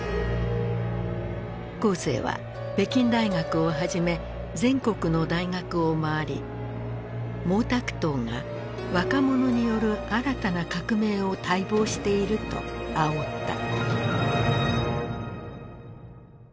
江青は北京大学をはじめ全国の大学を回り「毛沢東が若者による新たな革命を待望している」とあおった。